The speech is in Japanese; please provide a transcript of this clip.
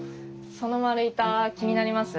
その丸板気になります？